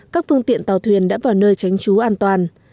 các phương tiện tàu thuyền đã vào nơi tránh trú an toàn